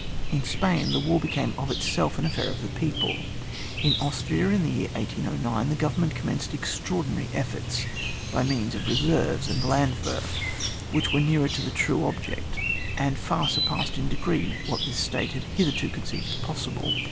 In Spain, the war became of itself an affair of the people. In Austria, in the year 1809, the Goyem ment commenced extraordinary efforts, by means of Keseryes and Landwehr, which were nearer to the true object, and far surpassed in degree what this State had hitherto conceived possible.